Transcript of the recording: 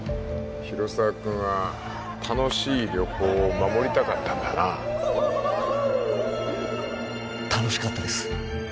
・広沢君は楽しい旅行を守りたかったんだな楽しかったです